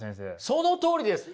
そのとおりです！